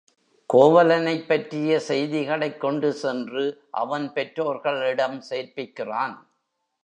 கோவலனைப் பற்றிய செய்திகளைக் கொண்டு சென்று அவன் பெற்றோர்களிடம் சேர்ப்பிக் கிறான்.